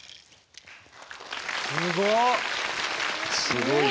すごい！